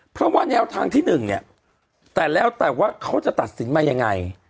เพราะว่าแนวทางที่๑เนี่ยแต่แล้วแต่ว่าเขาจะตัดสินมายังไง